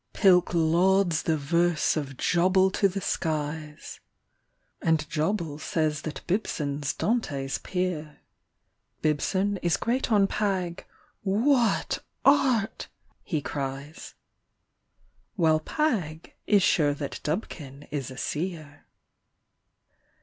Pilk lands the verse of Jobble to the skies, And Jobble says that Bibson's Dante's peer Bibson is great on Pagg, —'' What art !" he cries, While Pagg is sure that Dnbkin is a seer.